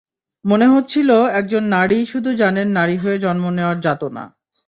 মনে হচ্ছিল একজন নারীই শুধু জানেন নারী হয়ে জন্ম নেওয়ার যাতনা।